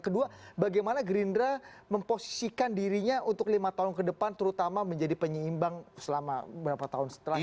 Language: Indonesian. kedua bagaimana gerindra memposisikan dirinya untuk lima tahun ke depan terutama menjadi penyeimbang selama berapa tahun setelah ini